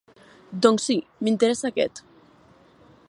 Doncs si, m'interessa aquesta.